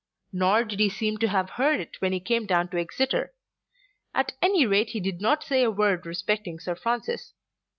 Nor did he seem to have heard it when he came down to Exeter. At any rate he did not say a word respecting Sir Francis.